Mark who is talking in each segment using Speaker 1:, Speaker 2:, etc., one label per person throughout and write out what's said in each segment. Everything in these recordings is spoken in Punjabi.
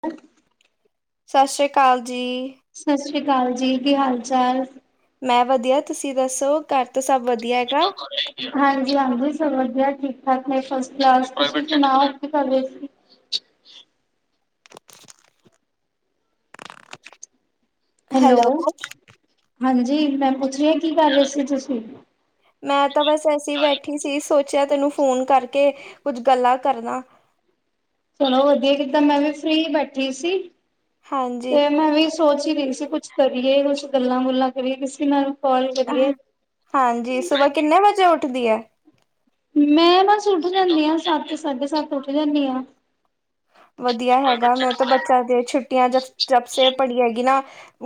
Speaker 1: ਹ [unintelligible]
Speaker 2: ਸਤਿ ਸ੍ਰੀ ਅਕਾਲ ਜੀ, ਜੀ,
Speaker 1: ਸਤਿ ਸ਼੍ਰੀ ਅਕਾਲ ਜੀ, ਕੀ ਹਾਲ ਚਾਲ?
Speaker 2: ਮੈਂ ਵਧੀਆ ਤੁਸੀਂ ਦੱਸੋ ਘਰ ਤਾਂ ਸਭ ਵਧੀਆ ਹੈਗਾ
Speaker 1: ਹਾਜੀ ਵਧੀਆ ਠੀਕ ਠਾਕ ਤੁਸੀ ਦੱਸੋ ਕੀ ਕਰ ਰਹੇ ਸੀ। ਹੈਲੋ, ਹਾਂਜੀ। ਜੀ ਮੈਂ ਪੁੱਛ ਰਹੀ ਹਾਂ ਕੀ ਕਰ ਰਹੇ ਸੀ ਤੁਸੀਂ,
Speaker 2: ਮੈਂ ਤਾਂ ਬਸ ਐਸੀ ਬੈਠੀ ਸੀ ਸੋਚਿਆ ਤੈਨੂੰ ਫੋਨ ਕਰਕੇ ਕੁੱਝ ਗੱਲਾਂ ਕਰਨਾ,
Speaker 1: ਚਲੋ ਵਧੀਆ ਕਿਤਾਂ ਮੈਂ ਵੀ ਫਰੀ ਬੈਠੀ ਸੀ।
Speaker 2: ਹਾਂਜੀ।
Speaker 1: ਤੇ ਮੈਂ ਵੀ ਸੋਚ ਹੀ ਰਹੀ ਸੀ ਕੁੱਛ ਕਰੀਏ ਕੁਛ ਗੱਲਾਂ ਗੁਲਾ ਕਰੀਏ ਕਿਸੇ ਨਾਲ ਕਾਲ ਕਰੀਏ।
Speaker 2: ਹਾਂਜੀ ਸੁਬਾਹ ਕਿੰਨੇ ਵਜੇ ਉੱਠਦੀ ਹੈ।
Speaker 1: ਮੈਂ ਬਸ ਉੱਠ ਜਾਂਦੀ ਹਾਂ ਸੱਤ ਸਾਢੇ ਸੱਤ ਉੱਠ ਜਾਂਦੀ ਹਾਂ।
Speaker 2: ਵਧੀਆ ਹੈਗਾ, ਮੈਂ ਤਾਂ ਬੱਚਿਆਂ ਦੀ ਛੁੱਟੀਆਂ ਜ ਜਬ ਸੇ ਪੜ੍ਹੀ ਹੈਗੀ ਨਾ।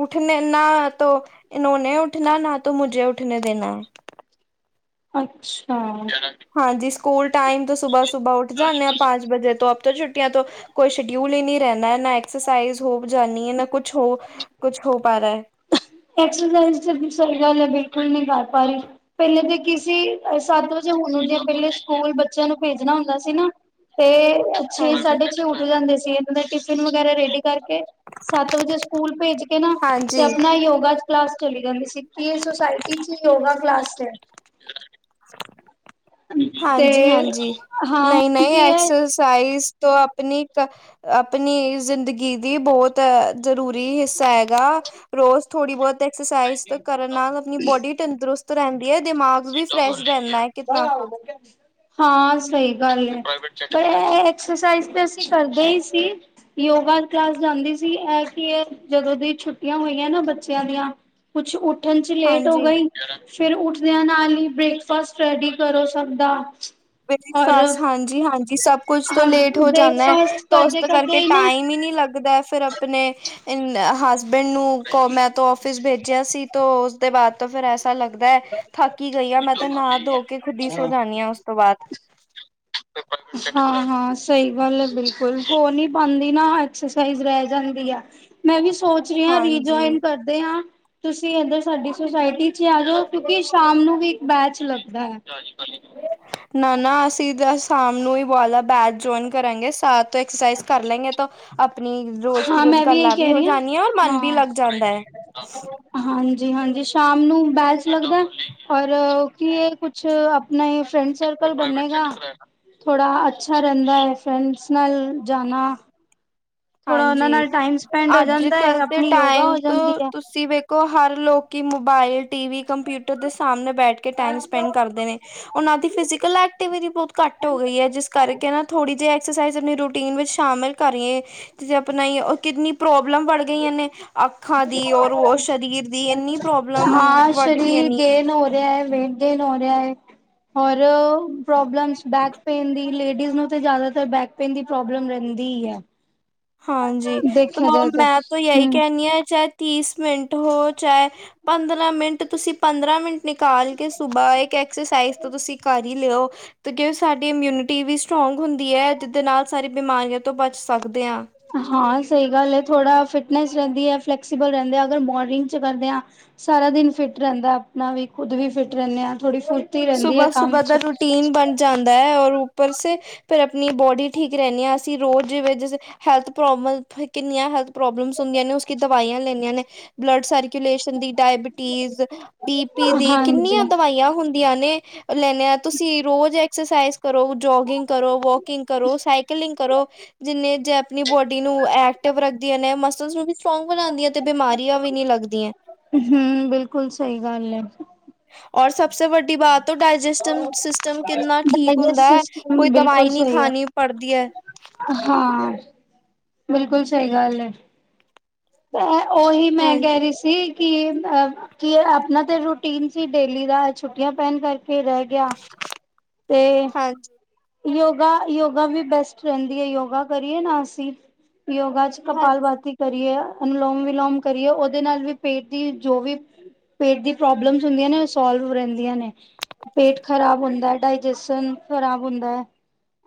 Speaker 2: ਉੱਠਣੇ ਨਾ ਇਹਨਾਂ ਨੇ ਉੱਠਣਾ ਨਾ ਤ ਮੁਝੇ ਉੱਠਣੇ ਦੇਣਾ ਹੈ।
Speaker 1: ਅੱਛਾ,
Speaker 2: ਹਾਂਜੀ ਸਕੂਲ, ਟਾਈਮ ਤੋਂ ਸੁਬਾਹ ਸੁਬਾਹ ਉਠ ਜਾਨੇ ਆ ਪਾਜ ਵਜੇ ਤੋਂ ਆਪ ਛੁੱਟੀਆਂ ਤੋਂ ਕੋਈ ਸ਼ਡਿਊਲ ਹੀ ਨੀ ਰਹਨਾ ਨਾ ਐਕਸਰਸਾਈਜ਼ ਹੋ ਜਾਂ ਹੈ ਨਾ ਕੁਛ ਹੋ ਕੁਛ ਹੋ ਪਾ ਰਿਹਾ ਹੈ।
Speaker 1: ਐਕਸਸਾਈ ਸਹੀ ਗੱਲ ਹੈ ਬਿਲਕੁਲ ਨਹੀਂ ਕਰ ਪਾ ਰਹੀ ਪਹਿਲੇ ਤਾਂ ਕਿਸੀ ਸੱਤ ਵਜੇ ਹੁਣ ਜੇ ਪਹਿਲੇ ਸਕੂਲ ਬੱਚਿਆਂ ਨੂੰ ਭੇਜਣਾ ਹੁੰਦਾ ਸੀ ਨਾ ਤੇ ਛੇ
Speaker 2: ਹਾਂਜੀ
Speaker 1: ਸਾਢੇ ਛੇ ਉੱਠ ਜਾਂਦੇ ਸੀ। ਉਹਨਾ ਦੇ ਟਿਫਨ ਵਗੈਰਾ ਰੈਡੀ ਕਰਕੇ ਸੱਤ ਵਜੇ ਸਕੂਲ ਭੇਜ ਕੇ ਨਾ ਤੇ
Speaker 2: ਹਾਂਜੀ
Speaker 1: ਆਪਣਾ ਯੋਗ ਬਸ ਚਲੀ ਜਾਂ ਸੀ ਫਿਰ ਸੋਸਾਇਟੀ ਚ ਯੋਗਾ ਕਲਾਸ ਹੈ ਤੇ
Speaker 2: ਹਾਂਜੀ-ਹਾਂਜੀ,
Speaker 1: ਹਾਂ ਹੁਣ
Speaker 2: ਨਹੀਂ-ਨਹੀਂ,
Speaker 1: ਕੀ ਹੈ
Speaker 2: ਐਕਸਰਸਾਈਜ਼ ਤੋਂ ਆਪਣੀ-ਆਪਣੀ, ਜ਼ਿੰਦਗੀ ਦੀ ਬਹੁਤ ਜ਼ਰੂਰੀ ਹਿੱਸਾ ਹੈਗਾ ਰੋਜ਼ ਥੋੜੀ ਬਹੁਤ ਐਕਸਸਾਈਜ਼ ਕਰਨ ਨਾਲ ਆਪਣੀ ਬੋਡੀ ਤੰਦਰੁਸਤ ਰਹਿੰਦੀ ਹੈ ਦਿਮਾਗ ਵੀ ਫਰੈਸ਼ ਰਹਿੰਦਾ ਹੈ ਕਿਤਨਾ
Speaker 1: ਹਾਂ ਸਹੀ ਗੱਲ ਹੈ, ਪਰ ਇਹ ਐਕਸਰਸਾਈਜ਼ ਤੇ ਅਸੀਂ ਕਰਦੇ ਹੀ ਸੀ ਯੋਗਾ ਕਲਾਸ ਜਾਂਦੀ ਸੀ, ਇਹ ਕਿ ਜਦੋਂ ਦੀ ਛੁੱਟੀਆਂ ਹੋਈਆਂ ਨਾ ਬੱਚਿਆਂ ਦੀਆਂ। ਕੁੱਛ ਉੱਠਨ ਚ ਲੇਟ ਹੋ
Speaker 2: ਹਾਂਜੀ
Speaker 1: ਗਈ ਬੈਠਣ ਚ ਲੇਟ ਹੋ ਗਈ ਫੇਰ ਉੱਠਦਿਆਂ ਨਾਲ ਹੀ। ਬ੍ਰੇਕਫਾਸਟ ਰੈਡੀ ਕਰੋ ਸਬ ਦਾ। ਔਰ
Speaker 2: ਬ੍ਰਕਫਾਸਟ ਹਾਂਜੀ-ਹਾਂਜੀ, ਸਭ ਕੁਛ ਤੋਂ
Speaker 1: ਹਮ
Speaker 2: ਲੇਟ ਹੋ ਜਾਂਦਾ ਹੈ
Speaker 1: ਬ੍ਰੇਕਫਾਸਟ
Speaker 2: ਤੇ ਉਸ
Speaker 1: ਕਰਦੇ ਕਰਦੇ
Speaker 2: ਕਰਕੇ
Speaker 1: ਹੀ ਨਾ
Speaker 2: ਟਾਈਮ ਹੀ ਨੀ ਲੱਗਦਾ ਫਿਰ ਆਪਣੇ ਹਾਂ ਹਸਬੈਂਡ ਨੂੰ ਮੈਂ ਤੋਂ ਆਫਿਸ ਭੇਜ ਗਿਆ ਸੀ ਤੇ ਉਸਦੇ ਬਾਅਦ ਤੋਂ ਫਿਰ ਅੱਛਾ ਲੱਗਦਾ ਹੈ ਥੱਕੀ ਗਈ ਆ ਮੈਂ ਤਾਂ ਨਾ ਧੋ ਕੇ ਖੁਦ ਹੀ ਸੋ ਜਾਂਦੀ ਹਾਂ। [unintelligible]
Speaker 1: ਹਾਂ, ਹਾਂ ਸਹੀ ਗੱਲ ਐ ਬਿਲਕੁਲ ਹੋ ਨੀ ਪਾਂਦੀ ਨਾ ਐਕਸਰਸਾਈਜ਼ ਰਹਿ ਜਾਂਦੀ ਆ। ਮੈਂ ਵੀ ਸੋਚ ਰਹੀ ਹਾਂ
Speaker 2: ਹਾਂਜੀ
Speaker 1: ਰੀਜੁਇਨ ਕਰਦੇ ਹਾਂ। ਤੁਸੀਂ ਏਧਰ ਸਾਡੀ ਸੋਸਾਇਟੀ ਚ ਆ ਜਾਓ, ਕਿਉਂਕਿ ਸ਼ਾਮ ਨੂੰ ਵੀ ਇੱਕ ਬੈਚ ਲਗਦਾ ਹੈ।
Speaker 2: ਨਾ, ਨਾ ਅਸੀਂ ਤਾਂ ਸ਼ਾਮ ਨੂੰ ਹੀ ਵਾਲਾ ਬੈਚ ਜੁਆਇਨ ਕਰਾਂਗੇ ਸਾਤ ਐਕਸਰਸਾਈਜ਼ ਕਰ ਲਾਂਗੇ ਤਾਂ ਆਪ ਆਪਣੀ ਰੋਜ਼ ਕੀ
Speaker 1: ਹਾਂ
Speaker 2: ਰੋਜ਼
Speaker 1: ਮੈਂ ਇਹੀ
Speaker 2: ਗੱਲਾਂ ਵੀ
Speaker 1: ਕਹਿ
Speaker 2: ਹੋ
Speaker 1: ਰਹੀ ਹਾਂ
Speaker 2: ਜਾਂਦੀਆਂ, ਔਰ ਮਨ ਵੀ
Speaker 1: ਹਾਂ
Speaker 2: ਲੱਗ ਜਾਂਦਾ ਹੈ।
Speaker 1: ਜੀ ਹਾਂਜੀ ਸ਼ਾਮ ਨੂ ਬੈਚ ਲਗਦਾ ਔਰ ਕੀ ਆ ਕੁਛ ਆਪਣਾ ਫ੍ਰੈਂਡ ਸਰਕਲ ਬਣੇਗਾ, ਥੋੜਾ ਅਛਾ ਰਹਿੰਦਾ ਆ ਫਰੈਂਡਸ ਨਾਲ ਜਾਣਾ। ਥੋੜਾ ਉਹਨਾਂ
Speaker 2: ਹਾਂਜੀ,
Speaker 1: ਨਾਲ ਟਾਈਮ ਸਪੈਂਡ ਹੋ ਜਾਂਦਾ ਹੈ
Speaker 2: ਅੱਜ-ਕੱਲ ਦੇ
Speaker 1: ਆਪਣੀ ਯੋਗਾ
Speaker 2: ਟਾਈਮ
Speaker 1: ਹੋ ਜਾਂਦੀ
Speaker 2: ਤੋਂ
Speaker 1: ਹੈ
Speaker 2: ਤੁਸੀਂ ਵੇਖੋ ਹਰ ਲੋਕ ਕਿ ਮੋਬਾਇਲ ਟੀ ਵੀ ਕੰਪਿਊਟਰ ਦੇ ਸਾਹਮਣੇ ਬੈਠ ਕੇ ਟਾਈਮ ਸਪੈਂਡ ਕਰਦੇ ਨੇ ਉਹਨਾਂ ਦੀ ਫਿਜ਼ਕਲ ਐਕਟੀਵਿਟੀ ਬਹੁਤ ਘੱਟ ਹੋ ਗਈ ਹੈ, ਜਿਸ ਕਰਕੇ ਨਾ ਥੋੜੀ ਜਿਹੀ ਐਕਸਰਸਾਇਜ ਆਪਣੀ ਰੂਟੀਨ ਵਿੱਚ ਸ਼ਾਮਿਲ ਕਰੀਏ। ਅਪਣਾ ਈ ਕਿੰਨੀ ਪ੍ਰੋਬਲਮ ਬੜ ਗਈਆਂ ਨੇ। ਅੱਖਾਂ ਦੀ ਔਰ ਉਹ ਸਰੀਰ ਦੀ ਇੰਨੀ ਪ੍ਰੋਬਲਮ
Speaker 1: ਹਾਂ
Speaker 2: ਵੱਧ ਗਈਆਂ
Speaker 1: ਸ਼ਰੀਰ
Speaker 2: ਨੇ
Speaker 1: ਗੇਨ ਹੋ ਰਿਹਾ ਏ, ਵੇਟ ਗੇਨ ਹੋ ਰਿਹਾ ਏ। ਹੋਰ ਜੈਂਟਸ ਬੈਕ ਪੇਨ ਦੀ ਲੇਡੀ ਨੂੰ ਤੇ ਜਿਆਦਾਤਰ ਬੈਕ ਪੇਨ ਦੀ ਪ੍ਰੋਬਲਮ ਰਹਿੰਦੀ ਹੀ ਐ।
Speaker 2: ਹਾਂਜੀ ਤੇ ਮੈਂ ਤਾਂ ਇਹੀ
Speaker 1: ਹੂੰ
Speaker 2: ਕਹਿਣੀ ਹਾਂ ਚਾਹੇ ਤੀਸ ਮਿੰਟ ਹੋ ਚਾਹੇ ਪੰਦਰਾਂ ਮਿੰਟ ਤੁਸੀਂ ਪੰਦਰਾਂ ਮਿੰਟ ਨਿਕਾਲ ਕੇ ਸੁਬਾਹ ਇੱਕ ਐਕਸਰਸਾਈਜ਼ ਤਾਂ ਤੁਸੀਂ ਕਰ ਹੀ ਲਿਓ ਤੇ ਕਿਉਂ ਸਾਡੀ ਇਮਿਊਨਿਟੀ ਵੀ ਸਟਰੋਂਗ ਹੁੰਦੀ ਐ, ਜਿਹਦੇ ਨਾਲ ਸਾਰੀ ਬਿਮਾਰੀਆਂ ਤੋਂ ਬਚ ਸਕਦੇ ਹਾਂ।
Speaker 1: ਹਾਂ ਸਹੀ ਗੱਲ ਹੈ ਥੋੜਾ ਫਿਟਨੈਸ ਰਹਿੰਦੀ ਐ, ਫਲੈਕਸੀਬਲ ਰਹਿੰਦੇ ਅਗਰ ਮੋਰਨਿੰਗ ਚ ਕਰਦੇ ਹਾਂ ਸਾਰਾ ਦਿਨ ਫਿਟ ਰਹਿੰਦਾ ਆਪਣਾ ਵੀ ਆਪਾਂ ਖੁਦ ਵੀ ਫਿਟ ਰਹਿੰਦੇ ਆਂ।
Speaker 2: ਸੁਬਾਹ-ਸੁਬਾਹ ਦਾ ਰੂਟੀਨ ਬਣ ਜਾਂਦਾ ਐ, ਔਰ ਉੱਪਰ ਸ ਫਿਰ ਆਪਣੀ ਬੋਡੀ ਠੀਕ ਰਹਿੰਦੀ ਹਾਂ ਅਸੀਂ ਰੋਜ਼ ਵਿੱਚ ਜ ਹੈਲਥ ਪ੍ਰੋਬਲਮ ਕਿੰਨੀਆਂ ਹੈਲਥ ਪ੍ਰੋਬਲਮਸ ਹੁੰਦੀਆਂ ਨੇ ਉਸਕੀ ਦਵਾਈਆਂ ਲੈਂਨੇ ਹ ਨੇ ਬਲੱਡ ਸਾਰੀ ਰਿਲੇਸ਼ਨਦੀ ਡਾਇਬਟੀਜ਼ ਬੀ ਪੀ ਦੀ
Speaker 1: ਹਾਂਜੀ
Speaker 2: ਕਿੰਨੀਆਂ ਦਵਾਈਆਂ ਹੁੰ ਲੈਨੇ ਲੈਣੇ ਆ ਤੁਸੀਂ ਰੋਜ਼ ਐਕਸਰਸਾਈਜ਼ ਕਰੋ ਜੋਗਿੰਗ ਕਰੋ, ਵੋਕਿੰਗ ਕਰੋ, ਸਾਈਕਲਿੰਗ ਕਰੋ। ਜਿੰਨੇ ਜੇ ਆਪਣੀ ਬੋਡੀ ਨੂੰ ਐਕਟਿਵ ਰੱਖਦੀਆਂ ਨੇ ਮਸਲਸ ਨੂੰ ਵੀ ਸਟਰੋਂਗ ਬਣਾਂਦੀਆਂ ਤੇ ਬਿਮਾਰੀਆਂ ਵੀ ਨਹੀਂ ਲੱਗਦੀਆਂ।
Speaker 1: ਹੂੰ ਬਿਲਕੁਲ ਸਹੀ ਗੱਲ ਹੈ।
Speaker 2: ਔਰ ਸਭਸੇ ਵੱਡੀ ਬਾਤ ਤੋਂ ਡਾਇਜੈਸਟਿਵ ਸਿਸਟਮ ਕਿੰਨਾ ਠੀਕ
Speaker 1: ਡਾਇਜੈਸਟ
Speaker 2: ਹੁੰਦਾ ਐ,
Speaker 1: ਸਿਸਟਮ
Speaker 2: ਕੋਈ
Speaker 1: ਬਿਲਕੁਲ
Speaker 2: ਦਵਾਈ ਨੀ
Speaker 1: ਸਹੀ ਹੈ
Speaker 2: ਖਾਣੀ ਪੜਦੀ ਐ।
Speaker 1: ਹਾਂ ਬਿਲਕੁਲ ਸਹੀ ਗੱਲ ਹੈ। [unintelligible] ਉਹੀ ਮੈਂ ਕਹਿ
Speaker 2: ਹਾਂਜੀ
Speaker 1: ਰਹੀ ਸੀ। ਕੀ ਅ ਕੀ ਆਪਣਾ ਤੇ ਰੂਟੀਨ ਸੀ ਡੇਲੀ ਦਾ ਛੁੱਟੀਆਂ ਪੈਣ ਕਰਕੇ ਰਹਿ। ਗਿਆ ਤੇ,
Speaker 2: ਹਾਂਜੀ
Speaker 1: ਯੋਗਾ ਯੋਗਾ ਵੀ ਬੈਸਟ ਰਹਿੰਦੀ ਹੈ ਯੋਗਾ ਕਰੀਏ ਨਾ ਅਸੀਂ ਯੋਗਾ ਚ ਕਪਾਲ
Speaker 2: ਹਾਂਜੀ
Speaker 1: ਬਾਤੀ ਕਰੀਏ। ਅਨਲੋਮ ਵਿਲੋਮ ਕਰੀਏ ਉਹਦੇ ਨਾਲ ਵੀ ਪੇਟ ਦੀ ਜੋ ਵੀ ਪੇਟ ਦੀ ਪ੍ਰੋਬਲਮਸ ਹੁੰਦੀਆਂ ਨੇ ਉਹ ਸੋਲਵ ਰਹਿੰਦੀਆਂ ਨੇ ਪੇਟ ਖਰਾਬ ਹੁੰਦਾ ਡਾਇਜੇਸ਼ਨ ਖਰਾਬ ਹੁੰਦਾ,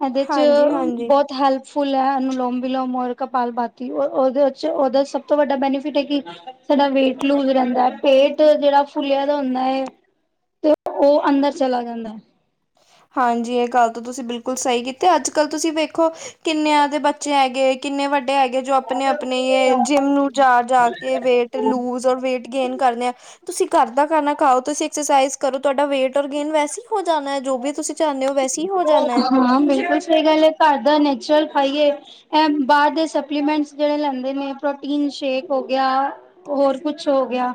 Speaker 1: ਇਹਦੇ ਚ
Speaker 2: ਹਾਂਜੀ ਹਾਂਜੀ
Speaker 1: ਬਹੁਤ ਹੈਲਪ ਫੁੱਲ ਹੈ ਅਨੁਲੋਮ ਬਿਲੋਮ ਔਰ ਕਪਾਲ ਬਾਤੀ ਉਹਦੇ ਉਹਦਾ ਸਭ ਤੋਂ ਵੱਡਾ ਬੈਨੀਫਿਟ ਹੈ ਕਿ ਸਾਡਾ ਵੇਟ ਲੂਜ ਰਹਿੰਦਾ ਹੈ ਪੇਟ ਜਿਹੜਾ ਫੁਲਿਆਂ ਦਾ ਹੁੰਦਾ ਹੈ ਤੇ ਉਹ ਅੰਦਰ ਚਲਾ ਜਾਂਦਾ ਹੈ।
Speaker 2: ਹਾਂਜੀ ਇਹ ਗੱਲ ਤਾਂ ਤੁਸੀਂ ਬਿਲਕੁਲ ਸਹੀ ਕੀਤੀ ਅੱਜ ਕੱਲ ਤੁਸੀਂ ਵੇਖੋ ਕਿੰਨਿਆਂ ਦੇ ਬੱਚੇ ਹੈਗੇ ਕਿੰਨੇ ਵੱਡੇ ਹੈਗੇ ਜੋ ਆਪਣੇ ਆਪਣੇ ਜਿੰਮ ਨੂੰ ਜਾ ਜਾ ਕੇ ਵੇਟ ਲੂਜ ਔਰ ਵੇਟ ਗੇਨ ਕਰਦੇ ਆ। ਤੁਸੀਂ ਘਰ ਦਾ ਖਾਣਾ ਖਾਓ ਤੁਸੀਂ ਐਕਸਰਸਾਈਜ਼ ਕਰੋ ਤੁਹਾਡਾ ਵੇਟ ਔਰ ਗੇਨ ਵੈਸੇ ਹੋ ਜਾਣਾ ਹੈ ਜੋ ਵੀ ਤੁਸੀਂ ਚਾਹੁੰਦੇ ਹੋ ਵੈਸੇ ਹੀ ਹੋ ਜਾਣਾ ਹੈ
Speaker 1: ਹਾਂ ਬਿਲਕੁਲ ਸਹੀ ਗੱਲ ਹੈ ਘਰ ਦਾ ਨੈਚੁਰਲ ਹੈਗੇ ਬਾਹਰ ਦੇ ਸਪਲੀਮੈਂਟ ਜਿਹੜੇ ਲੈਂਦੇ ਨੇ ਪ੍ਰੋਟੀਨ ਸ਼ੇਕ ਹੋਗ ਹੋ ਗਿਆ ਕੁਛ ਹੋ ਗਿਆ।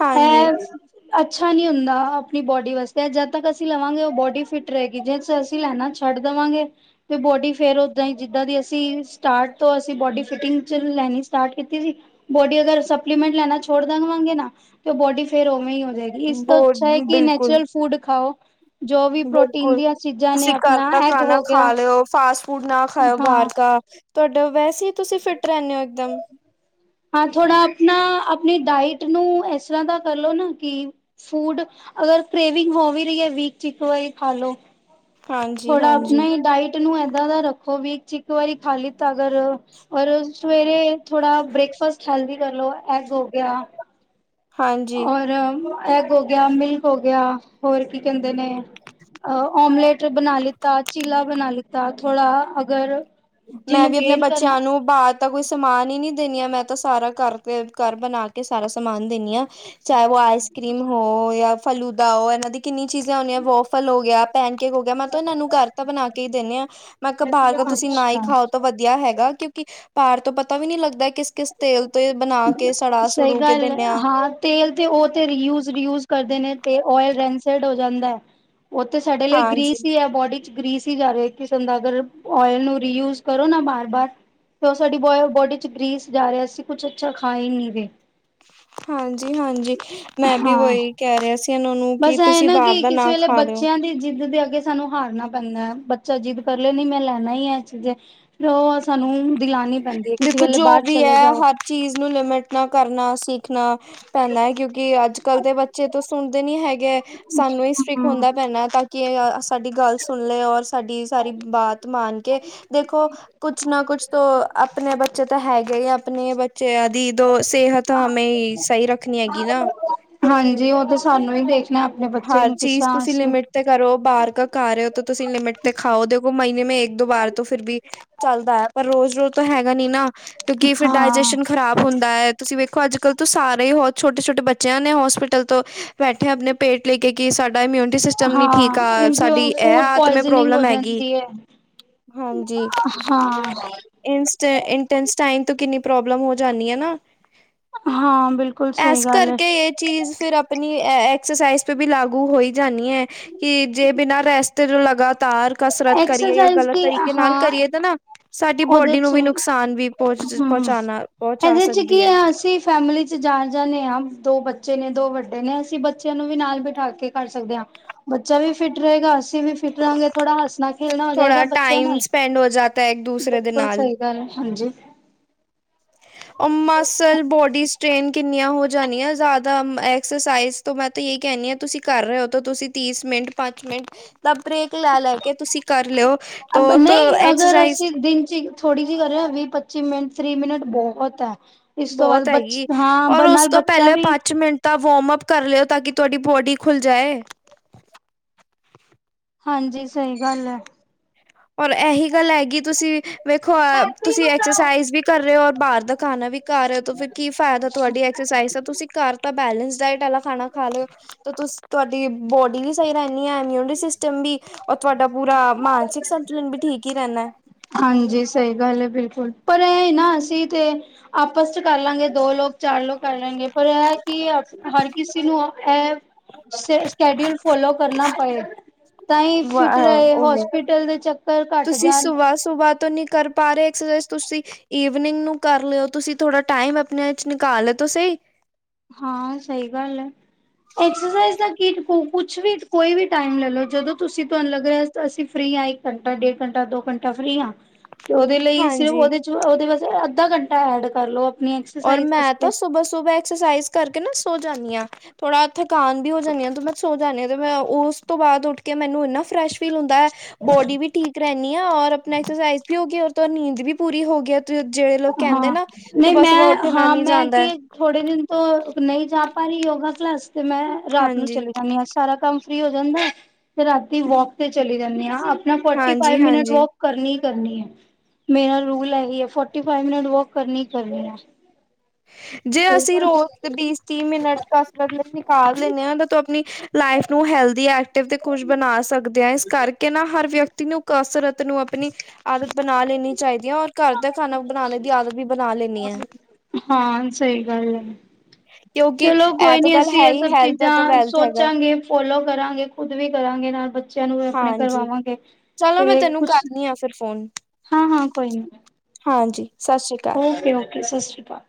Speaker 2: ਹਾਂਜੀ,
Speaker 1: ਇਹ ਅੱਛਾ ਨਹੀਂ ਹੁੰਦਾ ਆਪਣੀ ਬੋਡੀ ਵਾਸਤੇ ਜਦ ਤੱਕ ਅਸੀਂ ਲਵਾਂਗੇ ਉਹ ਬੋਡੀ ਫਿਟ ਘੱਟ ਰਹੇਗੀ ਜਿਹੜੇ ਚ ਅਸੀਂ ਲੈਣਾ ਛੱਡ ਦੇਵਾਂਗੇ ਤੇ ਬੋਡੀ ਫੇਰ ਉਓਦਾਂ ਹੀ ਜਿੱਦਾਂ ਦੀ ਅਸੀਂ ਸਟਾਰਟ ਤੋਂ ਅਸੀਂ ਬੋਡੀ ਫਿਟਿੰਗ ਚ ਲੈਣੀ ਸਟਾਰਟ ਕੀਤੀ ਸੀ ਬੋਡੀ ਅਗਰ ਸਪਲੀਮੈਂਟ ਲੈਣਾ ਛੋਡ ਦੇਵਾਂਗੇ ਨਾ ਤੇ ਬੋਡੀ ਫੇਰ ਉਵੇਂ ਹੀ ਰਹੇਗਾ ਇਸ ਤੋਂ ਅੱਛਾ ਹੈ
Speaker 2: ਬਹੁਤ
Speaker 1: ਕਿ
Speaker 2: ਬਿਲਕੁਲ
Speaker 1: ਨੈਚੁਰਲ ਫੂਡ ਖਾਓ। ਜੋ ਵੀ ਪ੍ਰੋਟੀਨ
Speaker 2: ਬਿਲਕੁਲ
Speaker 1: ਦੀਆਂ ਚੀਜ਼ਾਂ ਨੇ
Speaker 2: ਤੁਸੀਂ ਘਰ
Speaker 1: ਆਪਣਾ
Speaker 2: ਦਾ
Speaker 1: ਐਗ
Speaker 2: ਖਾਣਾ
Speaker 1: ਹੋ ਗਿਆ
Speaker 2: ਖਾ ਲਿਓ ਫਾਸਟ ਫੂਡ ਨਾ ਖਾਓ
Speaker 1: ਹਾਂ
Speaker 2: ਬਾਹਰ ਕ ਤੁਹਾਡਾ ਵੈਸੇ ਹੀ ਤੁਸੀਂ ਫਿਟ ਰਹਿੰਦੇ ਹੋ ਇੱਕਦਮ
Speaker 1: ਹਾਂ ਥੋੜਾ ਆਪਣਾ ਆਪਣੀ ਡਾਇਟ ਨੂੰ ਇਸ ਤਰ੍ਹਾਂ ਦਾ ਕਰਲੋ ਨਾ ਕਿ ਫੂਡ ਅਗਰ ਪ੍ਰੇਵਿੰਗ ਹੋ ਵੀ ਰਹੀ ਹੈ ਵੀਕ ਚ ਇੱਕ ਵਾਰੀ ਖਾ ਲਓ
Speaker 2: ਹਾਂਜੀ
Speaker 1: ਥੋੜਾ ਆਪਣਾ
Speaker 2: ਹਾਂਜੀ
Speaker 1: ਹੀ ਡਾਇਟ ਨੂੰ ਏਦਾਂ ਦਾ ਰੱਖੋ ਵੀਕ, ਚ ਇੱਕ ਵਾਰੀ ਖਾ ਲੀ ਤੇ ਅਗਰ ਔਰ ਸਵੇਰੇ, ਥੋੜਾ ਬ੍ਰੇਕਫਾਸਟ ਹੈਲਦੀ ਕਰਲੋ ਐਗ ਹੋ ਗਿਆ।
Speaker 2: ਹਾਂਜੀ
Speaker 1: ਔਰ, ਐਗ ਹੋ ਗਿਆ ਮਿਲਕ ਹੋ ਗਿਆ ਹੋਰ ਕੀ ਕਹਿੰਦੇ ਨੇ ਓਮਲੇਟ ਬਣਾ ਲਿੱਤਾ ਚੀਲਾ ਬਣਾ ਲਿੱਤਾ ਥੋੜਾ ਅਗਰ
Speaker 2: ਮੈਂ
Speaker 1: ਜਿਹਨੂੰ
Speaker 2: ਵੀ ਆਪਣੇ
Speaker 1: ਗੇਨ
Speaker 2: ਬੱਚਿਆਂ
Speaker 1: ਕਰਨਾ
Speaker 2: ਨੂੰ ਬਾਅਦ ਤਾਂ ਕੋਈ ਸਮਾਨ ਹੀ ਨੀ ਦੇਣੀ ਆ ਮੈਂ ਤਾਂ ਸਾਰਾ ਘਰ ਤੇ ਘਰ ਬਣਾ ਕੇ ਸਾਰਾ ਸਮਾਨ ਦੇਣੀ ਹਾਂ। ਚਾਹੇ ਉਹ ਆਈਸ ਕਰ੍ਰੀਮ ਹੋ ਜਾਂ ਫਲੂਦਾ ਉਹ ਇਹਨਾਂ ਦੀ ਕਿੰਨੀ ਚੀਜ਼ਾਂ ਹੁੰਦਾ ਵੋ ਫਲ ਹੋ ਗਿਆ ਭੈਣ ਕਿਹੋ ਗਿਆ ਮੈਂ ਤਾਂ ਇਹਨਾਂ ਨੂੰ ਘਰ ਤਾਂ ਬਣਾ ਕੇ ਈ ਦਿੰਨੇ ਹਾਂ ਮੈਂ ਕਿਹਾ ਬਾਹਰ ਤੁਸੀਂ ਨਾ ਈਂ
Speaker 1: ਅੱਛਾ
Speaker 2: ਖਾਓ ਤੋਂ ਵਧੀਆ ਹੈਗਾ। ਕਿਉਂਕਿ ਪਾਰ ਤੋਂ ਪਤਾ ਵੀ ਨੀਂ ਲੱਗਦਾ ਕਿਸ ਕਿਸ ਤੇਲ ਤੋਂ ਬਣਾ ਕੇ ਸੜਾ
Speaker 1: ਸਹੀ
Speaker 2: ਸੜੂ ਕੇ
Speaker 1: ਗੱਲ ਐ।
Speaker 2: ਦਿੰਦੇ ਆ
Speaker 1: ਹਾਂ, ਤੇਲ ਤੇ ਉਹ ਤੇੂਜ ਰੂਜ ਕਰਦੇ ਨੇ ਤੇ ਆੱਅਲ ਰੈਸੰਡ ਹੋ ਜਾਂਦਾ ਐ। ਉੱਥੇ ਸਾਡੇ ਲਈ
Speaker 2: ਹਾਂਜੀ
Speaker 1: ਗ੍ਰੀਸ ਹੀ ਐ। ਬੋਡੀ ਗ੍ਰੀਸ ਹੀ ਜਾ ਰਹੇ ਕਿਸਮ ਦਾ ਅਗਰ ਓਇਲ ਨੂੰ ਰੀਯੂਜ ਕਰੋ ਨਾ ਬਾਰ-ਬਾਰ ਤੇ ਉਹ ਸਾਡੀ ਬੋਡੀ ਚ ਗ੍ਰੀਸ ਜਾ ਰਿਹਾ ਅਸੀਂ ਕੁਛ ਅੱਛਾ ਖਾਏ ਨੀਂ ਰੇ।
Speaker 2: ਹਾਂਜੀ, ਹਾਂਜੀ। ਮੈਂ ਵੀ
Speaker 1: ਹਾਂ।
Speaker 2: ਉਹੀ ਕਹਿ ਰਿਹਾ ਸੀ ਉਹਨਾਂ ਨੂੰ ਕਿ
Speaker 1: ਬਸ ਇਹ
Speaker 2: ਤੁਸੀਂ
Speaker 1: ਨਾ
Speaker 2: ਬਾਹਰ
Speaker 1: ਕਿ
Speaker 2: ਦਾ
Speaker 1: ਕਿਸੇ
Speaker 2: ਨਾ
Speaker 1: ਵੇਲੇ
Speaker 2: ਖਾ ਲਿਓ
Speaker 1: ਬੱਚਿਆਂ ਦੀ ਜਿੱਦ ਦੇ ਸਾਨੂੰ ਹਾਰਨਾ ਪੈਂਦਾ, ਬੱਚਾ ਜਿੱਦ ਕਰ ਲੇ ਨਈਂ ਮੈਂ ਲੈਣਾ ਈ ਏਹ ਚੀਜ਼ ਫਿਰ ਉਹ ਸਾਨੂੰ ਦਿਲਾਣੀ ਪੈਂਦੀ ਐ। ਕਿਸੇ
Speaker 2: ਦੇਖੋ
Speaker 1: ਵੇਲੇ
Speaker 2: ਜੋ
Speaker 1: ਬਾਹਰ
Speaker 2: ਵੀ
Speaker 1: ਚਲੇ
Speaker 2: ਹੈ
Speaker 1: ਜਾਓ
Speaker 2: ਹਰ ਚੀਜ਼ ਨੂੰ ਲਿਮਿਟ ਨਾ ਕਰਨਾ ਸਿੱਖਣਾ ਪੈਂਦਾ ਐ, ਕਿਉਂਕਿ ਅੱਜ ਕੱਲ ਦੇ ਬੱਚੇ ਤਾਂ ਸੁਣਦੇ ਨੀਂ ਹੈਗੇ, ਸਾਨੂੰ ਹੀ ਸਟ੍ਰਿਕ
Speaker 1: ਹਮ
Speaker 2: ਹੁੰਦਾ ਪੈਣਾ ਤਾਂ ਕਿ ਸਾਡੀ ਗੱਲ ਸੁਣ ਲਏ ਔਰ ਸਾਡੀ ਸਾਰੀ ਬਾਤ ਮਾਣ ਕੇ ਦੇਖੋ ਕੁਛ ਨਾ ਕੁਛ ਤੋ ਆਪਣੇ ਬੱਚੇ ਤਾਂ ਹੈਗੇ ਹੀ। ਆਪਣੇ ਬੱਚੇ ਆ ਦੀ ਦੋ ਸਿਹਤ ਹਮੇਂ ਸਹੀ ਰੱਖਣੀ ਹੈਗੀ ਨਾਂ
Speaker 1: ਹਾਂਜੀ। ਉਹ ਤਾਂ ਸਾਨੂੰ ਹੀ ਦੇਖ
Speaker 2: ਹਰ ਚੀਜ਼ ਤੁਸੀਂ ਲਿਮਿਟ ਤੇ ਕਰੋ ਬਾਹਰ ਕ ਰਹੇ ਹੋ ਤੁਸੀਂ ਲਿਮਿਟ ਤੇ ਖਾਓ ਦੇ ਮਹੀਨੇ ਮੇਂ ਇੱਕ ਦੋ ਵਾਰ ਤੋਂ ਫਿਰ ਵੀ ਚੱਲਦਾ ਐ, ਪਰ ਰੋਜ਼-ਰੋਜ਼ ਤਾਂ ਹੈਗਾ ਨੀਂ ਨਾਂ। ਕਿਂਉਕਿ ਫਿਰ
Speaker 1: ਹਾਂ
Speaker 2: ਡਾਇਜੈਸ਼ਨ ਖ਼ਰਾਬ ਹੁੰਦਾ ਐ। ਤੁਸੀਂ ਵੇਖੋ ਅੱਜ-ਕੱਲ੍ਹ ਤੋਂ ਸਾਰੇ ਹੀ ਬਹੁਤ ਛੋਟੇ-ਛੋਟੇ ਬੱਚਿਆਂ ਨੇ ਹੋਸਪਿਟਲ ਤੋਂ ਬੈਠੇ ਆਪਣੇ ਪੇਟ ਲੈ ਕੇ ਕੀ ਸਾਡੇ ਇਮਿਊਨ ਸਿਸਟਮ ਨੀ
Speaker 1: ਹਾਂ
Speaker 2: ਠੀਕ ਆ, ਸਾਡੀ
Speaker 1: ਇੰਪਿਓਰ
Speaker 2: ਇਹ
Speaker 1: ਫੂਡ
Speaker 2: ਆਤਮੇ
Speaker 1: ਪੁਆਇਜ਼ਨਿੰਗ ਹੋ
Speaker 2: ਪ੍ਰੋਬਲਮ ਹੈਗੀ,
Speaker 1: ਜਾਂਦੀ ਹੈ
Speaker 2: ਹਾਂਜੀ,
Speaker 1: ਹਾਂ
Speaker 2: ਇੰਸਟ ਇੰਟਸਟਾਈਨ ਤੋਂ ਕਿੰਨੀ ਪ੍ਰੋਬਲਮ ਹੋ ਜਾਂਦੀ ਐ ਨਾਂ।
Speaker 1: ਹਾਂ ਬਿਲਕੁਲ
Speaker 2: ਇਸ
Speaker 1: ਸਹੀ ਗੱਲ ਹੈ
Speaker 2: ਕਰਕੇ ਇਹ ਚੀਜ਼ ਫਿਰ ਆਪਣੀ [unintelligible] ਕਸਾਈਜ਼ ਵੀ ਲਾਗੂ ਹੋਈ ਜਾਣੀ ਐ। ਕਿ ਜੇ ਬਿਨਾਂ ਰੈਸਟ ਜੋ ਲਗਾ ਤਾਰ ਕਸਰਤ ਕਰੀਏ ਜਾਂ
Speaker 1: ਐਕਸਰਸਾਈਜ਼
Speaker 2: ਗ਼ਲਤ
Speaker 1: ਦੀ
Speaker 2: ਤਰੀਕੇ ਨਾਲ
Speaker 1: ਹਾਂ
Speaker 2: ਕਰੀਏ ਤਾਂ ਨਾ ਸਾਡੀ
Speaker 1: ਉਹਦੇ
Speaker 2: ਬੋਡੀ ਨੂੰ
Speaker 1: ਚ
Speaker 2: ਵੀ ਨੁਕਸਾਨ ਵੀ ਪਹੁੰਚ
Speaker 1: ਹਮ
Speaker 2: ਪਹੁੰਚਾਣਾ ਪਹੁੰਚਾ
Speaker 1: ਇਹਦੇ ਚ
Speaker 2: ਸਕਦੀ
Speaker 1: ਕੀ
Speaker 2: ਐ।
Speaker 1: ਆ ਅਸੀਂ ਫੈਮਿਲੀ ਚ ਜਾ ਜਾਂਦੇ ਹਾਂ ਦੋ ਬੱਚੇ ਨੇਂ ਦੋ ਵੱਡੇ ਨੇਂ, ਅਸੀਂ ਬੱਚਿਆਂ ਨੂੰ ਵੀ ਨਾਲ ਬਿਠਾ ਕੇ ਕਰ ਸਕਦੇ ਹਾਂ ਬੱਚਾ ਵੀ ਫਿਟ ਰਹੇਗਾ। ਅਸੀਂ ਵੀ ਫਿਟ ਥੋੜਾ ਹੱਸਣਾ, ਖੇਲਣਾ ਹੋ
Speaker 2: ਥੋੜਾ
Speaker 1: ਜਾਏਗਾ ਬੱਚਿਆਂ
Speaker 2: ਟਾਈਮ
Speaker 1: ਨਾਲ।
Speaker 2: ਸਪੈਂਡ ਹੋ ਜਾਤਾ ਹੈ ਇੱਕ ਦੂਸਰੇ ਦੇ
Speaker 1: ਬਿਲਕੁਲ
Speaker 2: ਨਾਲ।
Speaker 1: ਸਹੀ ਗੱਲ ਐ। ਹਾਂਜੀ।
Speaker 2: ਉਹ ਮਸਲ ਬੋਡੀ ਸਟ੍ਰੇਨ ਕਿੰਨੀਆਂ ਹੋ ਜਾਣੀਆਂ ਜ਼ਿਆਦਾ ਐਕਸਰਸਾਈਜ਼ ਤੋਂ ਮੈਂ ਤਾਂ ਇਹੀ ਕਹਿਣੀ ਆਂ ਤੁਸੀਂ ਕਰ ਰਹੇ ਹੋ ਤਾਂ ਤੁਸੀਂ ਤੀਸ ਮਿੰਟ ਪੰਜ ਮਿੰਟ ਦਾ ਬਰੇਕ ਜ
Speaker 1: [unintelligible] ਅਬ ਨਈਂ ਅਗਰ
Speaker 2: ਐਕਸਰਸਾਈਜ਼
Speaker 1: ਅਸੀਂ ਦਿਨ ਚ ਹੀ ਥੋੜ੍ਹੀ ਜਿਹੀ ਕਰ ਰਹੇ ਹ ਵੀਹ ਪੱਚੀ ਮਿੰਟ ਤੀਹ ਮਿੰਟ ਬਹੁਤ ਏ।
Speaker 2: ਬਹੁਤ ਹੈਗੀ। ਔਰ ਉਸ ਤੋਂ
Speaker 1: ਬੱਚਾ
Speaker 2: ਪਹਿਲੇ
Speaker 1: ਵੀ
Speaker 2: ਪੰਜ ਮਿੰਟ ਤਾਂ ਵਾਰਮਅਪ ਕਰ ਲਿਓ, ਤਾਂ ਕਿ ਤੁਹਾਡੀ ਬੋਡੀ ਖੁੱਲ ਜਾਏ।
Speaker 1: ਹਾਂਜੀ ਸਹੀ ਗੱਲ ਹੈ।
Speaker 2: ਔਰ ਇਹੀ ਗੱਲ ਹੈਗੀ ਤੁਸੀਂ ਵੇਖੋ ਤੁਸੀਂ ਐਕਸਰਸਾਈਜ਼ ਵੀ ਕਰ ਰਹੇ ਹੋ ਔਰ ਬਾਹਰ ਦਾ ਖਾਣਾ ਵੀ ਖਾ ਰਹੇ ਹੋ ਫਿਰ ਕੀ ਫਾਇਦਾ ਤੁਹਾਡੀ ਐਕਸਰਸਾਈਜ਼ ਦਾ ਤੁਸੀਂ ਘਰ ਤਾਂ ਬੈਲੇੈਂਸ ਡਾਇਟ ਵਾਲਾ ਖਾਣਾ ਖਾ ਲਿਓ ਤੁ ਬੋਡੀ ਵੀ ਸਹੀ ਰਹਿੰਦੀ ਆ ਇਮਿਊਨਰੀ ਸਿਸਟਮ ਵੀ ਰ ਤੁਹਾਡਾ ਪੂਰਾ ਮਾਨਸਿਕ ਵੀ ਠੀਕ ਹੀ ਰਹਿੰਦਾ।
Speaker 1: ਹਾਂਜੀ ਸਹੀ ਗੱਲ ਹੈ, ਬਿਲਕੁਲ ਪਰ ਇਹ ਨਾ ਅਸੀਂ ਤੇ ਆਪਸ ਚ ਕਰ ਲਾਂਗੇ ਦੋ ਲੋਕ ਚਾਰ ਲੋਕ ਕਰ ਲੈਗੇ ਪਰ ਇਹ ਕਿ ਹਰ ਕਿਸੇ ਨੂੰ ਐ ਸ ਸ਼ੈਡਿਊਲ ਫੋਲੋ ਕਰਨਾ ਪੈਂ ਤਾਂਹੀ ਫਿਟ ਰਹੇ
Speaker 2: ਉਹੀ
Speaker 1: ਹੋਸਪੀਟਲ ਦੇ ਚੱਕਰ ਘੱਟ ਜਾਣ।
Speaker 2: ਨ ਕਰ ਪਾ ਰਹੇ ਐਕਸਰਸ ਤੁਸੀ ਈਵੀਨਿੰਗ ਨੂੰ ਕਰ ਲਿਓ, ਤੁਸੀਂ ਥੋੜਾ ਟਾਈਮ ਆਪ ਨਿਕਾਲ ਤੁਸੀ
Speaker 1: ਹਾਂ ਸਹੀ ਗੱਲ ਹੈ ਐਕਸਰਸਾਈਜ਼ ਦਾਟ ਕੁਛ ਵੀ ਕੋਈ ਵੀ ਟਾਈਮ ਲੈ ਲੋ ਜਦੋਂ ਤੁਸੀਂ ਤੁਹਾਨੂੰ ਲੱਗ ਰਿਹਾ ਅਸੀਂ ਫ੍ਰਰੀ ਹੈ ਇੱਕ ਘੰਟਾ ਡੇਢ ਘੰਟਾ ਦੋ ਘੰਟਾ ਫ੍ਰੀ ਹਾਂ। ਤੇ ਉਹਦੇ ਲਈ ਸਿਰਫ
Speaker 2: ਹਾਂਜੀ
Speaker 1: ਉਹਦੇ ਚ ਉਹਦੇ ਬਸ ਅੱਧਾ ਘੰਟੇ ਐਡ ਕਰ ਲੋ। ਆਪਣੀ
Speaker 2: ਰ
Speaker 1: ਐਕਸਰਸਾਈਜ਼
Speaker 2: ਮੈਂ
Speaker 1: ਵਾਸਤੇ
Speaker 2: ਤਾਂ ਸੁਬਹ ਸੁਬਹ ਐਕਸਰਸਾਈਜ਼ ਕਰਕੇ ਨਾ ਸੋ ਜਾਂਦੀ ਹਾਂ ਥੋੜਾ ਥਕਾਨ ਵੀ ਹੋ ਜਾਂਦੀਆਂ ਤੂੰ ਮੈਂ ਸੋਚ ਣੇ ਮੈਂ ਉਸ ਤੋਂ ਬਾਅਦ ਉੱਠ ਕੇ ਮੈਨੂੰ ਇੰਨਾ ਫਰੈਸ਼ ਫੀਲ ਹੁੰਦਾ ਹੈ ਬੋਡੀ ਵੀ ਠੀਕ ਰਹਿੰਦੀ ਔਰ ਆਪਣਾ ਐਕਸਰਸਾਈਜ਼ ਵੀ ਹੋਗਿਆ। ਤਾਂ ਨੀਂਦ ਵੀ ਪੂਰੀ ਹੋ ਗਈ। ਜਿਹੜੇ ਲੋਕ ਕਹਿੰਦੇ
Speaker 1: ਹਾਂ
Speaker 2: ਨਾ
Speaker 1: ਨਹੀਂ
Speaker 2: ਬੱਸ
Speaker 1: ਮੈਂ ਹਾਂ ਮੈਂ ਕਿ ਥੋੜੇ ਦਿਨ ਤੋਂ ਨਹੀਂ ਜਾ ਪਾਰੀ ਯੋਗਾ ਕਲਾਸ ਤੇ ਮੈਂ ਰਾਤ ਨੂੰ
Speaker 2: ਹਾਂਜੀ
Speaker 1: ਚਲੇ ਜਾਂਦੀ ਹਾਂ ਸਾਰਾ ਕੰਮ ਫਰੀ ਹੋ ਜਾਂਦਾ ਤੇ ਰਾਤੀ ਵੋਕ ਤੇ ਚਲੀ ਜਾਂਦੇ ਹਾਂ। ਨਾ ਫੋਰਟੀ ਫਾਈਵ
Speaker 2: ਹਾਂਜੀ
Speaker 1: ਮਿਨਟ
Speaker 2: ਹਾਂਜੀ
Speaker 1: ਵੋਕ ਕਰਨੀ। ਕਰਨੀ ਹੈ ਮੇਰਾ ਰੂਲ ਇਹੀ ਹੈ ਫੋ ਫਟੀ ਫਾਈਵ ਮਿਟ ਵੋਕ ਕਰਨੀ ਹੀ ਕਰਨੀ ਹੈ।
Speaker 2: ਜੇ ਅਸੀਂ ਰੋਜ਼ ਵੀਹ ਤੀਹ ਮਿੰਟ ਕਰ ਕਰਦੇ। ਲੈਂਦੇ ਹਾਂ ਤੂੰ ਆਪਣੀ ਲਾਈਫ ਨੂੰ ਹੈਲ ਐਕਟਿਵ ਤੇ ਖੁਸ਼ ਬਣਾ ਸਕਦੇ‌ ਹਾ ਇਸ ਕਰਕੇ ਨਾ ਹਰ ਵਿਅਕਤੀ ਨੂੰ ਕਸਰਤ ਨੂੰ ਆਪਣੀ ਆਦਤ ਬਣਾ ਲੈਣੀ ਚਾਹੀਦੀ ਇ, ਔਰ ਘਰ ਦਾ ਖਾਣਾ ਬਣਾਣ ਦੀ ਆਦਤ ਵੀ ਬਣਾ ਲੈਂਣੀ ਐ।
Speaker 1: ਹਾਂ ਸਹੀ ਗੱਲ ਹੈ।
Speaker 2: ਕਿਉਂਕਿ
Speaker 1: ਚਲੋ
Speaker 2: ਇਹ
Speaker 1: ਕੋਈ
Speaker 2: ਤਾਂ
Speaker 1: ਨੀ
Speaker 2: ਗੱਲ
Speaker 1: ਅਸੀਂ
Speaker 2: ਹੈ
Speaker 1: ਇਹ
Speaker 2: ਹੀ
Speaker 1: ਸਭ
Speaker 2: ਹੈਲਥ ਹੈ ਤਾਂ
Speaker 1: ਚੀਜ਼ਾਂ
Speaker 2: ਵੈਲਥ ਹੈਗਾ
Speaker 1: ਸੋਚਾਂਗੇ ਫੋਲੋ ਕਰਾਂਗੇ, ਖੁਦ ਵੀ ਕਰਾਂਗੇ ਨਾਲ ਬੱਚੇ
Speaker 2: ਹਾਂਜੀ ਚਲੋ ਮੈਂ ਤੈਨੂੰ
Speaker 1: ਕੁਛ
Speaker 2: ਕਰਦੀ ਆ ਫਿਰ ਫੋਨ।
Speaker 1: ਹਾਂ, ਹਾਂ ਕੋਈ ਨੀ
Speaker 2: ਹਾਂਜੀ ਸਤਿ ਸ੍ਰੀ ਅਕਾਲ
Speaker 1: ਓਕੇ, ਓਕੇ ਸਤਿ ਸ਼੍ਰੀ ਅਕਾਲ।